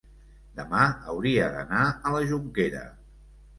demà hauria d'anar a la Jonquera.